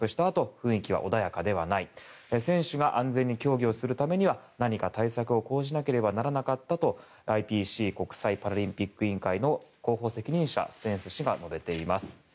あと雰囲気は穏やかではない選手が安全に競技をするためには何か対策を講じなければならなかったとＩＰＣ・国際パラリンピック委員会の広報責任者のスペンス氏が述べています。